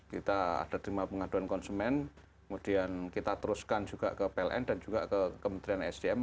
kita ada terima pengaduan konsumen kemudian kita teruskan juga ke pln dan juga ke kementerian sdm